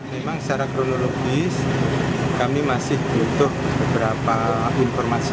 memang secara kronologis kami masih butuh beberapa informasi